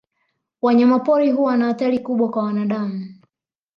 Wanyama pori huwa na hatari kubwa ka wanadamu.